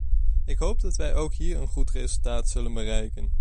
Ik hoop dat wij ook hier een goed resultaat zullen bereiken.